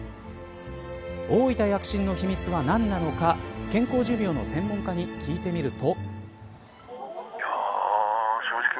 大分躍進の秘密は何なのか健康寿命の専門家に聞いてみると。